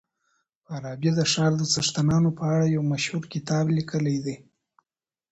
فارابي د ښار د څښتنانو په اړه يو مشهور کتاب ليکلی دی.